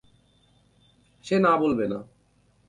সে না বলবে না!